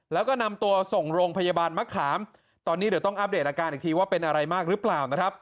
แล้วก็นำตัวส่งโรงพยาบาลมะขามตอนนี้เดี๋ยวต้องอัปเดตอาการอีกทีว่าเป็นอะไรมากหรือเปล่านะครับ